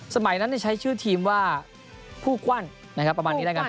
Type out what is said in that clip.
สมัยนั้นใช้ชื่อทีมว่าผู้กวั้นนะครับประมาณนี้แล้วกัน